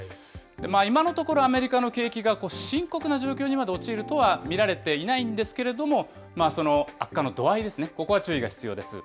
今のところ、アメリカの景気が深刻な状況にまで陥るとは見られていないんですけれども、その悪化の度合いですね、ここは注意が必要です。